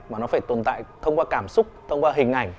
mà nó phải tồn tại thông qua cảm xúc thông qua hình ảnh